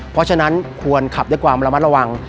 เพราะฉะนั้นควรขับด้วยความระมัดระวัง